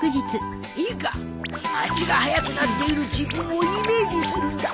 いいか足が速くなっている自分をイメージするんだ。